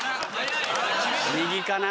右かな？